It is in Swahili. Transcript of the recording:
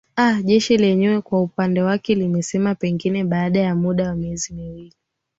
aa jeshi lenyewe kwa upande wake limesema pengine baada ya muda wa miezi miwili